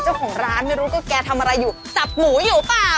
เจ้าของร้านไม่รู้ก็แกทำอะไรอยู่จับหมูอยู่เปล่า